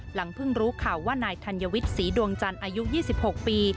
หลังเพิ่งรู้ข่าวว่านายธัญวิทย์ศรีดวงจันทร์อายุ๒๖ปี